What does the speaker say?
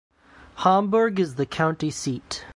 Hamburg is the county seat.